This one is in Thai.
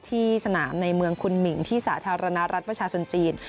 ที่สนามในเมืองคุณหมิ่งที่สาธารณรัฐประชาชนจีน